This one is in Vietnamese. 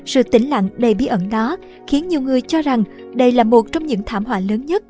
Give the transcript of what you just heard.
sự tĩnh lặng đầy bí ẩn đó khiến nhiều người cho rằng đây là một trong những thảm họa lớn nhất